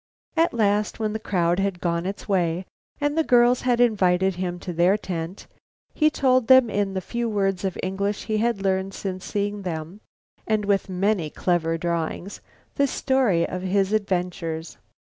At last, when the crowd had gone its way and the girls had invited him to their tent, he told them in the few words of English he had learned since seeing them, and with many clever drawings, the story of his adventures.